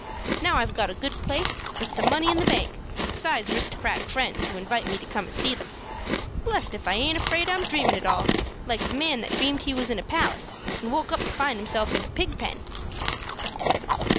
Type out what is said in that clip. Now I've got a good place, and some money in the bank, besides 'ristocratic friends who invite me to come and see them. Blessed if I aint afraid I'm dreamin' it all, like the man that dreamed he was in a palace, and woke up to find himself in a pigpen."